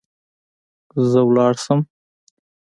زه لاړ شم